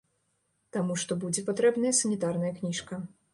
Таму што будзе патрэбная санітарная кніжка.